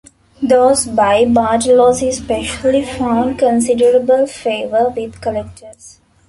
Those by Bartolozzi especially found considerable favour with collectors.